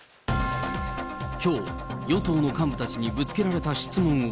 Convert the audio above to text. きょう、与党の幹部たちにぶつけられた質問は。